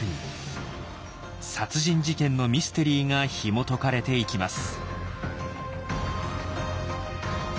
殺人事件のミステリーがひもとかれていきます。